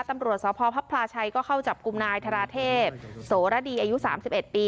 ตำรวจสพพลาชัยก็เข้าจับกลุ่มนายธาราเทพโสระดีอายุ๓๑ปี